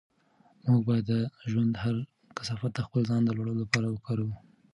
موږ باید د ژوند هر کثافت د خپل ځان د لوړولو لپاره وکاروو.